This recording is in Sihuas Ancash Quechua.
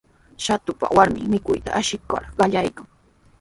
Shatupa warmin mikuyta ashikur qallaykan.